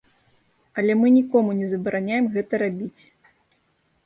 Але мы нікому не забараняем гэта рабіць.